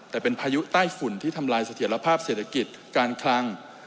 แต่เป็นพายุใต้ฝุ่นที่ทำลายเสถียรภาพเศรษฐกิจการคลัง